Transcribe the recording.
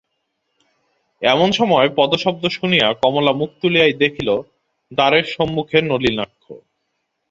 এমন সময় পদশব্দ শুনিয়া কমলা মুখ তুলিয়াই দেখিল, দ্বারের সম্মুখে নলিনাক্ষ।